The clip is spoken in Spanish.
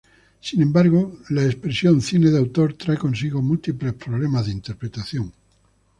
Sin embargo, la expresión "cine de autor" trae consigo múltiples problemas de interpretación.